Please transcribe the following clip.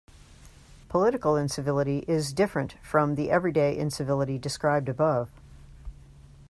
Political incivility is different from the everyday incivility described above.